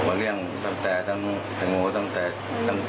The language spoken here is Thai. มาเลี่ยงจมูกก็ตั้งแต่๑๕บาทค่ะ